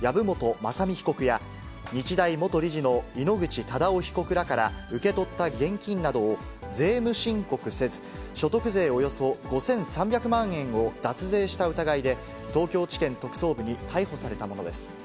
雅巳被告や、日大元理事の井ノ口忠男被告らから受け取った現金などを税務申告せず、所得税およそ５３００万円を脱税した疑いで、東京地検特捜部に逮捕されたものです。